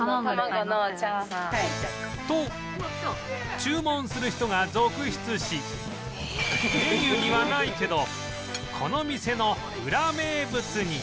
と注文する人が続出しメニューにはないけどこの店のウラ名物に